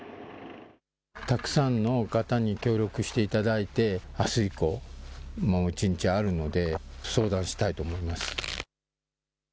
たくさんの方に協力していただいて、あす以降、もう１日あるので相談したいと思います。